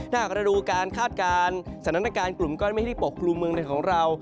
ถ้าเกิดดูการคาดการสถานการณ์กลุ่มเมฆที่ปกปรุงในเมืองของเรา